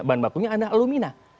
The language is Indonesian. bahan bakunya ada alumina